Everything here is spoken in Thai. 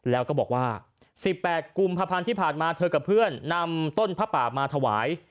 แล้วก็บอกว่า๑๘กุมภาพันธ์ที่ผ่านมาเธอกับเพื่อนนำต้นผ้าป่ามาถวาย